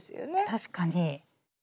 確かに。